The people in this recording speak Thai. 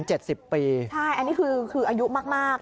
ใช่อันนี้คืออายุมาก